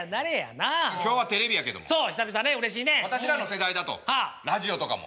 私らの世代だとラジオとかも。